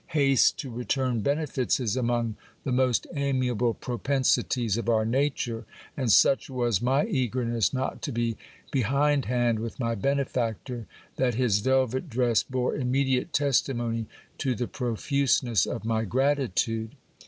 Haste to return benefits is among the most amiable propensities of our nature ; and such was my eagerness not to be behindhand with my benefactor, that his velvet dress bore immediate testimony to the profuseness of my gratitude.